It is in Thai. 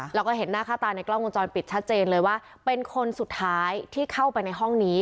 แล้วก็เห็นหน้าค่าตาในกล้องวงจรปิดชัดเจนเลยว่าเป็นคนสุดท้ายที่เข้าไปในห้องนี้